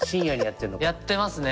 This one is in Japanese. やってますね！